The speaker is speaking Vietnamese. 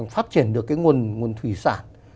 phát triển được cái nguồn thủy sản